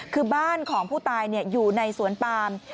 คือบ้านของผู้ตายอยู่ในสวนปาม